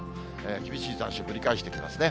厳しい残暑、ぶり返してきますね。